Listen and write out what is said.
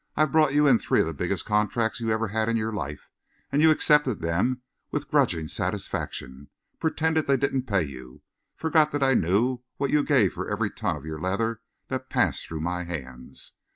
I've brought you in three of the biggest contracts you ever had in your life, and you accepted them with grudging satisfaction, pretended they didn't pay you, forgot that I knew what you gave for every ton of your leather that passed through my hands.